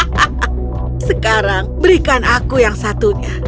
hahaha sekarang berikan aku yang satunya